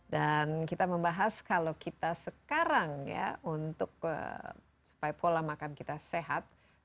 dan kita membahas kalau kita sekarang ya untuk supaya pola makan kita sehat